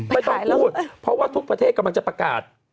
ไม่ต้องพูดเพราะว่าทุกประเทศกำลังจะประกาศ